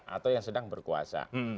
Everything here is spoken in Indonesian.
atau yang sedang berkuasa